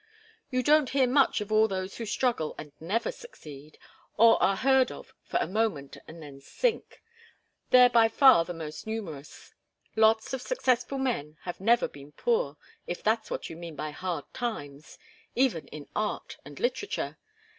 You don't hear much of all those who struggle and never succeed, or who are heard of for a moment and then sink. They're by far the most numerous. Lots of successful men have never been poor, if that's what you mean by hard times even in art and literature.